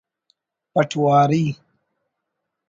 پٹواری